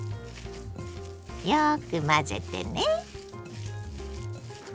よく混ぜてね。